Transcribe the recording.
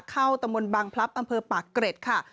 เข้าตะมนต์บังพลับอำเภอป่าเกร็ดค่ะ